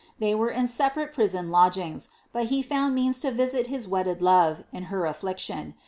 They were in separate prison lodgings, but he found means to visit his wedded love, in her affliction.